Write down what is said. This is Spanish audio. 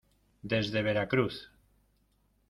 desde Veracruz.